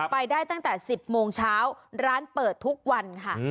ไปได้ตั้งแต่๑๐โมงเช้าร้านเปิดทุกวันค่ะ